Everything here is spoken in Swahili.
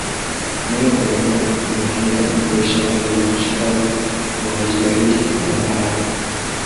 Neno konokono linatumika kujumuisha wale wa nchi kavu, wa maji baridi na wa bahari.